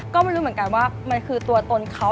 ก็ไม่รู้เหมือนกันว่ามันคือตัวตนเขา